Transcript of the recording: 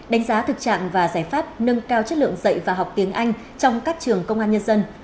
đánh giá thực trạng và giải pháp nâng cao chất lượng dạy và học tiếng anh trong các trường công an nhân dân